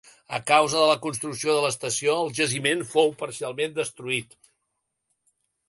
A causa de la construcció de l'estació, el jaciment fou parcialment destruït.